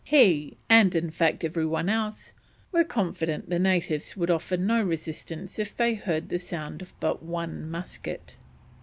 He, and in fact every one else, were confident the natives would offer no resistance if they heard the sound of but one musket.